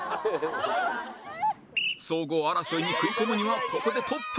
総合争いに食い込むにはここでトップに立ちたい！